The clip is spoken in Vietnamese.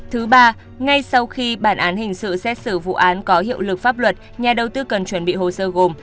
thứ ba ngay sau khi bản án hình sự xét xử vụ án có hiệu lực pháp luật nhà đầu tư cần chuẩn bị hồ sơ gồm